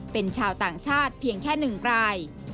เป็นชาวต่างชาติเพียงแค่๑ราย